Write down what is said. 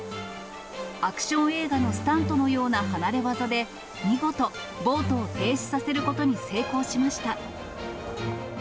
アクション映画のスタントのような離れ業で、見事、ボートを停止させることに成功しました。